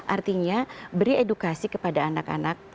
artinya beri edukasi kepada anak anak